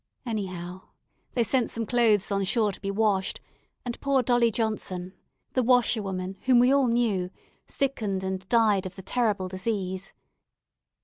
Anyhow, they sent some clothes on shore to be washed, and poor Dolly Johnson, the washerwoman, whom we all knew, sickened and died of the terrible disease.